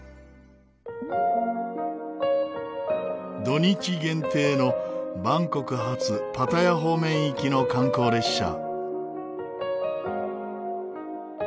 土日限定のバンコク発パタヤ方面行きの観光列車。